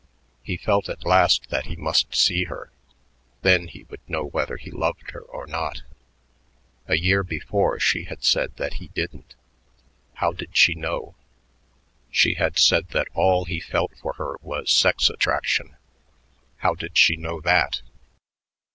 He felt at last that he must see her. Then he would know whether he loved her or not. A year before she had said that he didn't. How did she know? She had said that all he felt for her was sex attraction. How did she know that?